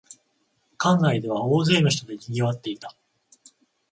館内では大勢の人でにぎわっていた